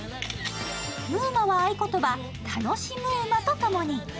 ムウマは合言葉、楽しムウマと共に。